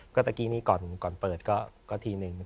ก็ตะกี้นี้ก่อนเปิดก็ทีนึง